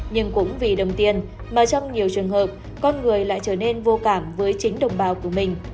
nhưng cũng vì đồng tiền mà trong nhiều trường hợp con người lại trở nên vô cảm với chính đồng bào của mình